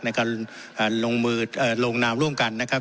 ในการลงนามร่วมกันนะครับ